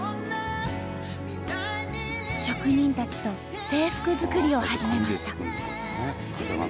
職人たちと制服作りを始めました。